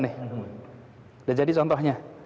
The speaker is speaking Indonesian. sudah jadi contohnya